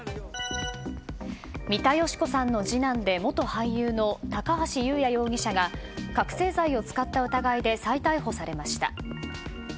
三田佳子さんの次男で元俳優の高橋祐也容疑者が覚醒剤を使った疑いで再逮捕されました。